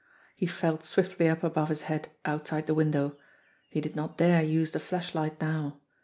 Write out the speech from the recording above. He felt swiftly up above his head outside the window. He did not dare use the flashlight now.